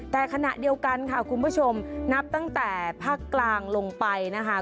แต่ขณะเดียวกันค่ะคุณผู้ชมนับตั้งแต่ภาคกลางลงไปนะคะ